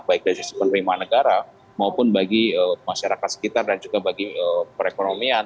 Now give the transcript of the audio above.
baik dari sisi penerimaan negara maupun bagi masyarakat sekitar dan juga bagi perekonomian